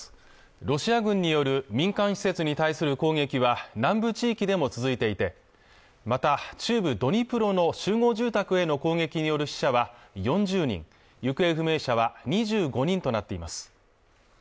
ロシア軍による民間施設に対する攻撃は南部地域でも続いていてまた中部ドニプロの集合住宅への攻撃による死者は４０人行方不明者は２５人となっています